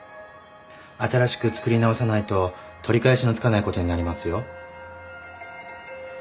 新しく作り直さないと取り返しのつかないことになりますよ。